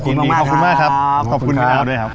ขอบคุณมากครับขอบคุณมากครับขอบคุณครับ